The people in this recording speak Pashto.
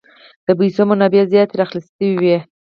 د پیسو منابع زیات را خلاص شوي وې.